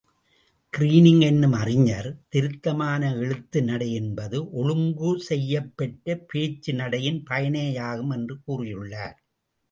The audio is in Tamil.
கிரீனிங் என்னும் அறிஞர், திருத்தமான எழுத்து நடை என்பது, ஒழுங்கு செய்யப்பெற்ற பேச்சு நடையின் பயனேயாகும் என்று கூறியுள்ளார்.